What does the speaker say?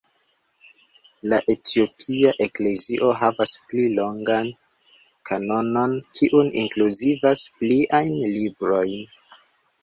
La etiopia eklezio havas pli longan kanonon kiu inkluzivas pliajn librojn.